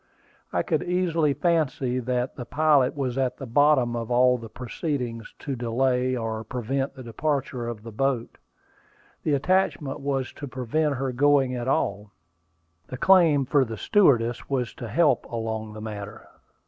I could easily fancy that the pilot was at the bottom of all the proceedings to delay or prevent the departure of the boat. The attachment was to prevent her going at all; the claim for the stewardess was to help along the matter.